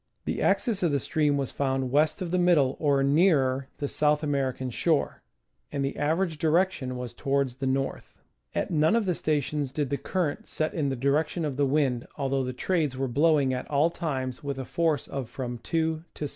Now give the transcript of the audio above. The axis of the stream was found west of the middle, or nearer the South American shore, and the average direction was towards the north. At none of the stations did the current set in the direction of the wind, although the trades were blowing at all times with a force of from 2 to 1.